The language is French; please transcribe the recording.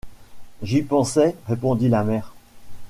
J’y pensais, répondit la mère.